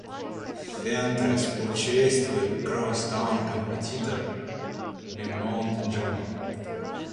Fentress purchased the crosstown competitor "Beaumont Journal".